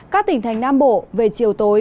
các tỉnh thành nam bộ về chiều tối